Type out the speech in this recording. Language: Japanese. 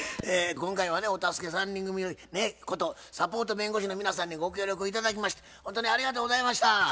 今回はねお助け３人組ことサポート弁護士の皆さんにご協力頂きましてほんとにありがとうございました。